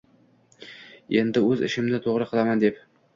“endi o‘z ishimni to‘g‘ri qilaman” deb